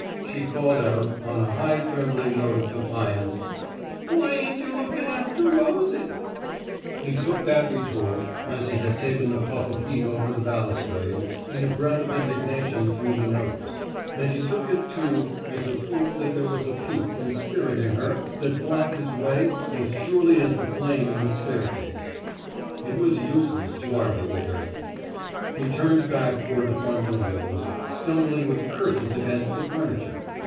She called out, on a high trembling note of 109 ( THE SMOKE EATERS defiance: ^* Why ain't yuh lookin* after ' Rosie' ?'' He took that retort — as he had taken the puff of heat over the balustrade — in a breath of indignation through the nose ; and he took it, too, as a proof that there was a pique and spirit in her that blocked his way as surely as the flame in the staircase. It was useless to argue with her. He turned back toward the front windows, stumbling with curses against the furniture.